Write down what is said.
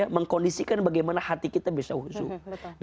mengkondisikan bagaimana hati kita bisa husuk